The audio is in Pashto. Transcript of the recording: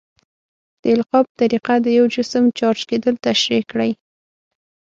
د القاء په طریقه د یو جسم چارج کیدل تشریح کړئ.